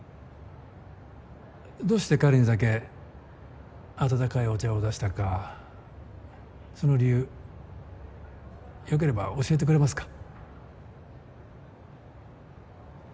どうして彼にだけ温かいお茶を出したかその理由よければ教えてくれますか？